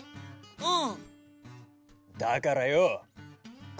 うん。